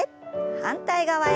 反対側へ。